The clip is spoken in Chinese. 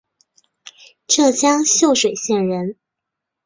浙江秀水县人。